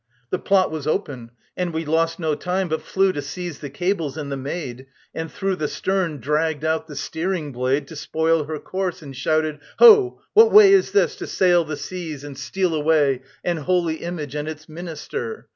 The plot was open, and we lost no time But flew to seize the cables and the maid, And through the stern dragged out the steering blade, To spoil her course, and shouted: "Ho, what way Is this, to sail the seas and steal away An holy image and its minister?